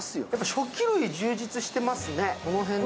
食器類、充実してますね。